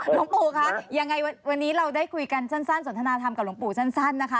หลวงปู่คะยังไงวันนี้เราได้คุยกันสั้นสนทนาธรรมกับหลวงปู่สั้นนะคะ